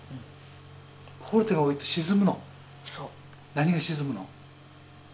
何が沈むの？